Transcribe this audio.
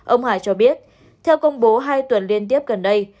ông hải cho biết theo công bố hai tuần liên tiếp gần đây